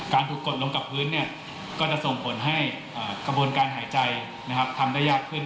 ถูกกดลงกับพื้นก็จะส่งผลให้กระบวนการหายใจทำได้ยากขึ้น